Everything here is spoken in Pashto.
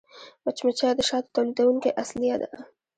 مچمچۍ د شاتو تولیدوونکې اصلیه ده